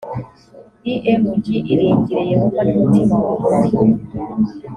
img iringire yehova n umutima wawe